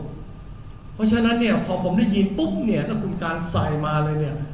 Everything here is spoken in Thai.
เพราะฉะนั้นเนี่ยพอผมได้ยินปุ๊บเนี่ยถ้าคุณการใส่มาเลยเนี่ย